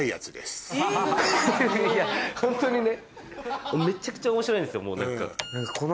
いやホントにね。